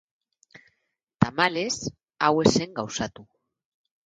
Tamalez, hau ez zen gauzatu.